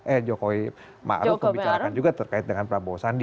eh jokowi maruf juga membicarakan terkait dengan prabowo sandi